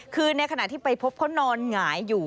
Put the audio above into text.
คือในขณะที่ไปพบเขานอนหงายอยู่